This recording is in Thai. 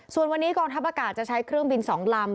ส่วนวันนี้กรทมจะใช้เครื่องบิน๒ลำ